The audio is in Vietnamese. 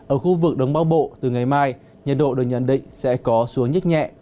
ở khu vực đông bắc bộ từ ngày mai nhiệt độ được nhận định sẽ có xuống nhích nhẹ